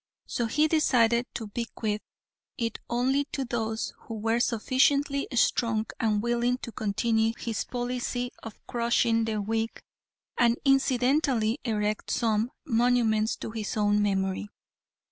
So he decided to bequeath it to only those who were sufficiently strong and willing to continue his policy of crushing the weak and incidentally erect some monuments to his own memory.